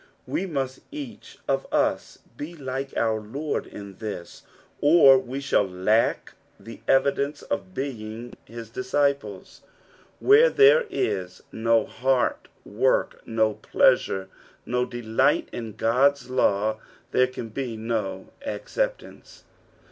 We must each of us be tike our Lord in this, or wo shall lack tha evidence of being his disciples. Where there is no heart work, nu pleasure, no delight in God's law, there can be no acceptance.